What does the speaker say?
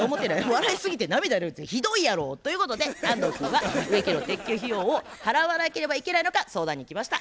笑いすぎて涙出るってひどいやろ。ということで安藤君は植木の撤去費用を払わなければいけないのか相談に来ました。